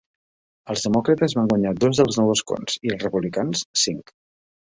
Els demòcrates van guanyar dos dels nous escons, i els republicans, cinc.